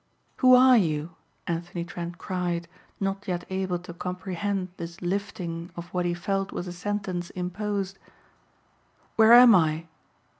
"Who are you?" Anthony Trent cried not yet able to comprehend this lifting of what he felt was a sentence imposed. "Where am I?"